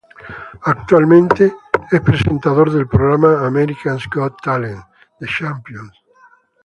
Actualmente es presentador del programa America's Got Talent: The Champions!